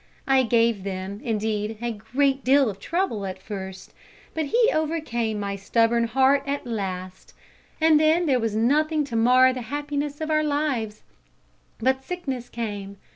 I gave them, indeed, a great deal of trouble at first, but He overcame my stubborn heart at last, and then there was nothing to mar the happiness of our lives. But sickness came.